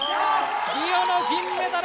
リオの銀メダル